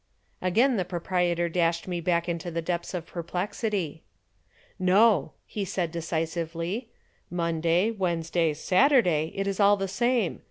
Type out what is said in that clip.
Again the proprietor dashed me back into the depths of perplexity. "No," he said, decisively. "Monday, Wednesday, Saturday, it is all the same.